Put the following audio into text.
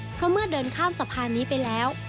เพราะเมื่อเดินข้ามสะพานนี้ไปแล้ว